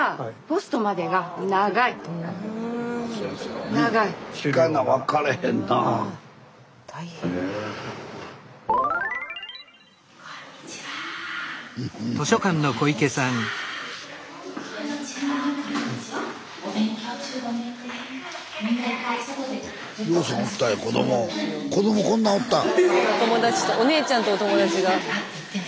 スタジオお友達とお姉ちゃんとお友達が。